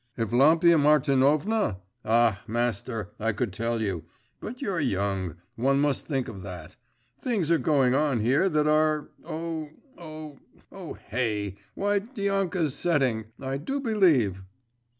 'Evlampia Martinovna? Ah, master, I could tell you … but you're young one must think of that. Things are going on here that are … oh!… oh!… oh! Hey! why Dianka's setting, I do believe!